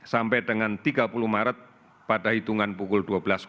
sampai dengan tiga puluh maret pada hitungan pukul dua belas